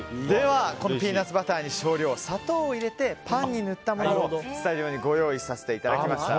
このピーナッツバターに少量の砂糖を入れてパンに塗ったものをスタジオにご用意させていただきました。